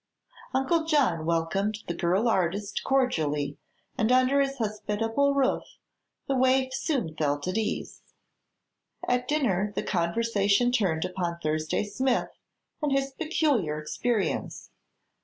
Uncle John welcomed the girl artist cordially and under his hospitable roof the waif soon felt at ease. At dinner the conversation turned upon Thursday Smith and his peculiar experience.